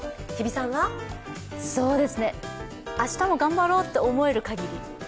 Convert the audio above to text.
明日も頑張ろうって思える限り。